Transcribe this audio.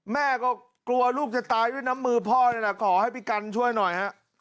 แม่ก็กลัวลูกจะตายด้วยน้ำมือพ่อขอให้พี่กัลช่วยหน่อยครับ